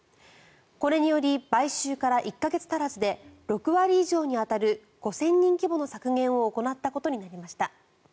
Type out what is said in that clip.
これにより買収から１か月足らずで６割以上に当たる５０００人規模の削減を行ったことになりました。